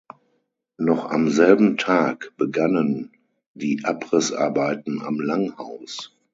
Noch am selben Tag begannen die Abrissarbeiten am Langhaus.